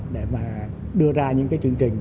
để đưa ra những chương trình